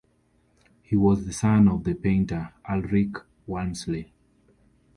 He was the son of the painter Ulric Walmsley.